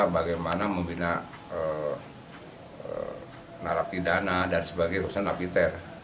bagaimana membina narapidana dan sebagai urusan napiter